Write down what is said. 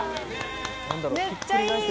めっちゃいい！